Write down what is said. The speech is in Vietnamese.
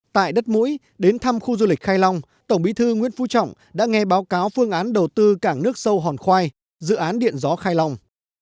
tại đất mũi đến thăm khu du lịch khai long tổng bí thư nguyễn phú trọng đã nghe báo cáo phương án đầu tư cảng nước sâu hòn khoai dự án điện gió khai long